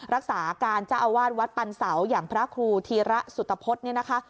รักษาการเจ้าอวาดวัดปรรรสาวอย่างพระครูธีระสุตพพฤษ